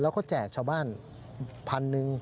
แล้วก็แจกชาวบ้าน๑๐๐๐บาท